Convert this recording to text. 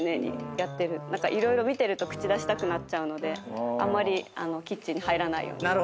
色々見てると口出したくなっちゃうのであまりキッチンに入らないように。